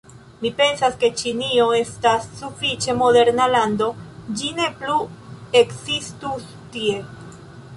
Mi pensas ke Ĉinio estas sufiĉe moderna lando, ĝi ne plu ekzistus tie.